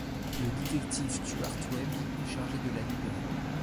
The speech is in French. Le détective Stuart Webbs est chargé de la libérer.